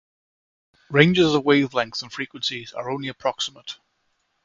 Ranges of wavelengths and frequencies are only approximate.